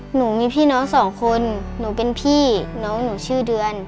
หนูมีพี่น้องสองคนหนูเป็นพี่น้องหนูชื่อเดือน